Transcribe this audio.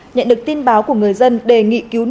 nhận được tin báo của người dân đề nghị cứu nạn